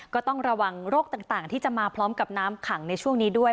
ก็ต้องระวังโรคต่างที่จะมาพร้อมกับน้ำขังในช่วงนี้ด้วย